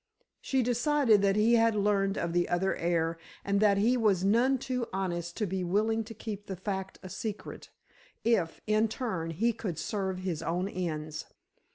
She decided that he had learned of the other heir, and that he was none too honest to be willing to keep the fact a secret, if, in turn, he could serve his own ends.